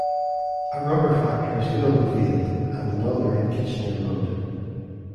A rubber factory stood on the field, and another in Kitchener Road.